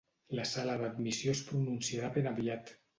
La sala d’admissió es pronunciarà ben aviat.